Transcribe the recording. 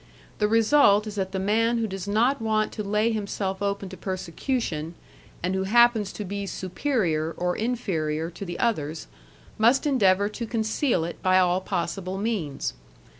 The result is that the man who does not want to lay himself open to persecution, and who happens to be superior or inferior to the others, must endeavour to conceal it by all possible means.